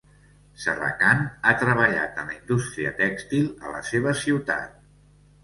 Serracant ha treballat en la indústria tèxtil a la seva ciutat.